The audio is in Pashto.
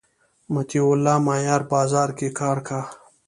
مطیع الله مایار بازار کی کار کا